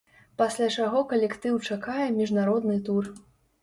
Пасля чаго калектыў чакае міжнародны тур.